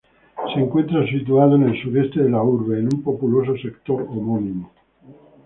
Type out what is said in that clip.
Se encuentra ubicado al suroeste de la urbe, en un populoso sector homónimo.